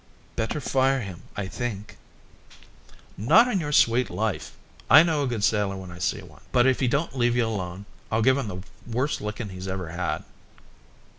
"Better fire him, I think." "Not on your sweet life. I know a good sailor when I see one. But if he don't leave you alone I'll give him the worst licking he's ever had."